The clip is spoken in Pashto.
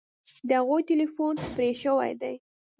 د هغوی ټیلیفون پرې شوی دی